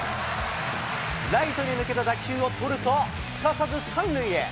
ライトに抜けた打球を捕ると、すかさず３塁へ。